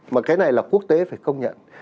mà cái này là quốc tế phải công nhận